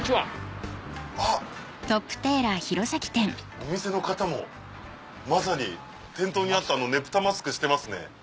あっ待ってお店の方もまさに店頭にあったねぷたマスクしてますね。